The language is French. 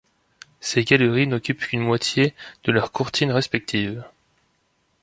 Ces galeries n'occupent qu'une moité de leur courtine respective.